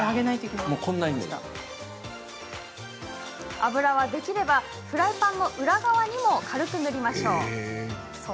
油は、できればフライパンの裏側にも軽く塗りましょう。